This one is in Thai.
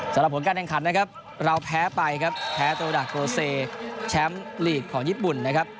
สำหรับผลการแข่งขันนะครับเราแพ้ไปครับแพ้โตดาโกเซแชมป์ลีกของญี่ปุ่นนะครับ